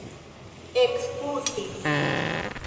ekskuzi